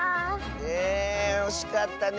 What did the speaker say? えおしかったね。